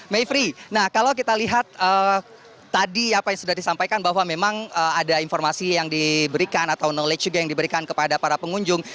mayfrey nah kalau kita lihat tadi apa yang sudah disampaikan bahwa memang ada informasi yang diberikan atau knowledge juga yang diberikan kepada para pengunjung